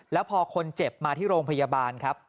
แล้วพอคนเจ็บมาที่โรงพยาบาลครับ